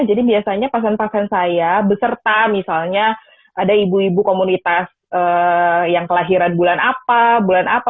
jadi biasanya pasan pasan saya beserta misalnya ada ibu ibu komunitas yang kelahiran bulan apa